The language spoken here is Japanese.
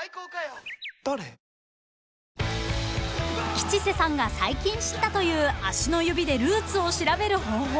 ［吉瀬さんが最近知ったという足の指でルーツを調べる方法］